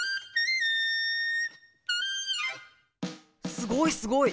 すごいすごい！